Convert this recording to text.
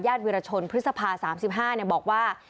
วิรชนพฤษภา๓๕บอกว่า